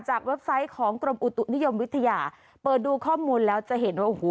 เว็บไซต์ของกรมอุตุนิยมวิทยาเปิดดูข้อมูลแล้วจะเห็นว่าโอ้โห